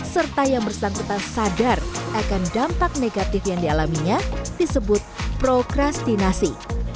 serta yang bersangkutan sadar akan dampak negatif yang dialaminya disebut progrestinasi